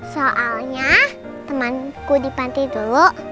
soalnya temanku dipanti dulu